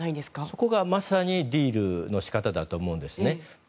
そこがまさにディールの仕方だと思うんですね。